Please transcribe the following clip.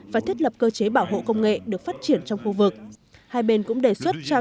và thiết lập cơ chế bảo hộ công nghệ được phát triển trong khu vực hai bên cũng đề xuất trao